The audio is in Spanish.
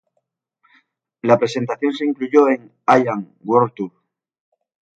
La presentación se incluyó en "I Am... World Tour".